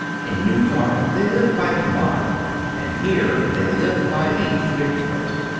In New York, they live by the mile, and here they live by the cubic foot.